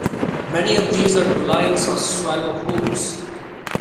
Many of these are dolines or swallow holes.